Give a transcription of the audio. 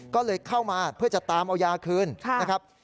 ก็เลยเข้ามาเพื่อจะตามเอายาคืนนะครับ